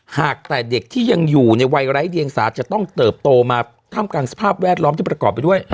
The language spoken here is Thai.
หากแต่เด็กที่ยังอยู่ในวัยไร้เดียงสาจะต้องเติบโตมาท่ามกลางสภาพแวดล้อมที่ประกอบไปด้วย